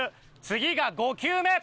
次が５球目。